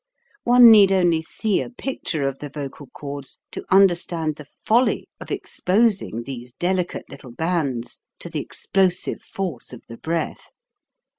One need only see a picture of the vocal cords to understand the folly of exposing these delicate little bands to the explosive force of the breath.